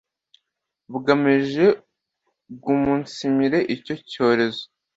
bugemije guumunsimire icyo cyorezo